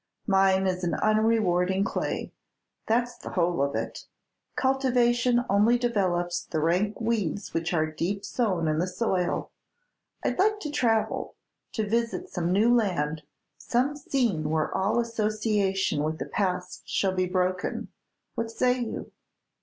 Mine is an unrewarding clay, that's the whole of it. Cultivation only develops the rank weeds which are deep sown in the soil. I'd like to travel, to visit some new land, some scene where all association with the past shall be broken. What say you?"